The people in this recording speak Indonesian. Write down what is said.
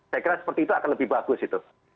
saya kira seperti itu akan lebih bagus itu